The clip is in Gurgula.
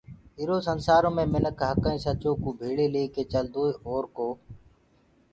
ايٚرو سنسآرو مي مِنک هَڪ ائيٚنٚ سچو ڪوٚ ڀيݪي ليڪي چلدوئي اُرو ڪوٚ